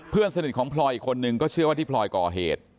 เพื่อนสนิทของพลอยอีกคนนึงก็เชื่อว่าที่พลอยก่อเหตุ